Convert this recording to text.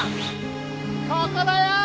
ここだよー！